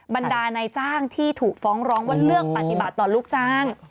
บรรดานายจ้างที่ถูกฟ้องร้องว่าเลือกปฏิบัติต่อลูกจ้าง